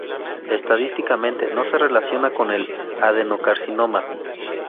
Estadísticamente no se relaciona con el adenocarcinoma.